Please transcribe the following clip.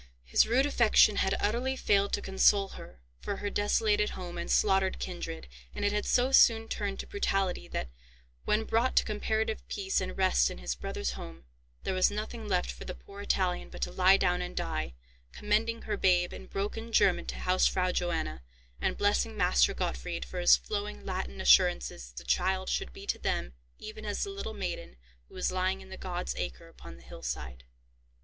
His rude affection had utterly failed to console her for her desolated home and slaughtered kindred, and it had so soon turned to brutality that, when brought to comparative peace and rest in his brother's home, there was nothing left for the poor Italian but to lie down and die, commending her babe in broken German to Hausfrau Johanna, and blessing Master Gottfried for his flowing Latin assurances that the child should be to them even as the little maiden who was lying in the God's acre upon the hillside.